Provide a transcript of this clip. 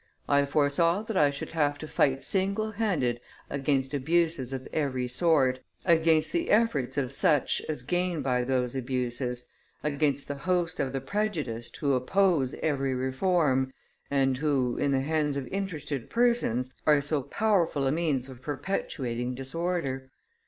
I foresaw that I should have to fight single handed against abuses of every sort, against the efforts of such as gain by those abuses, against the host of the prejudiced who oppose every reform, and who, in the hands of interested persons, are so powerful a means of perpetuating disorder.